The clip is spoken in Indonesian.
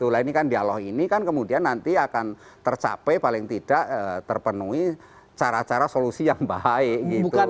nah ini kan dialog ini kan kemudian nanti akan tercapai paling tidak terpenuhi cara cara solusi yang baik gitu